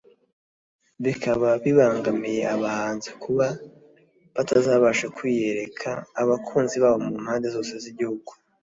bikaba bibangamiye abahanzi kuba batazabasha kwiyereka abakunzi babo mu mpande zose z’igihugu